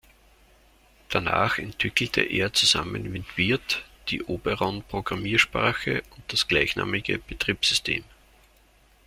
Danach entwickelte er zusammen mit Wirth die Oberon Programmiersprache und das gleichnamige Betriebssystem.